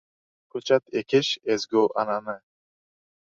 Ko‘chat ekish – ezgu an’ana